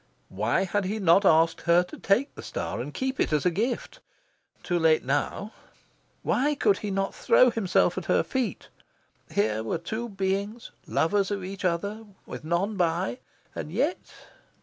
Why had he not asked her to take the star and keep it as a gift? Too late now! Why could he not throw himself at her feet? Here were two beings, lovers of each other, with none by. And yet...